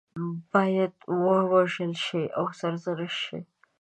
باید ووژل شي او سرزنش شي.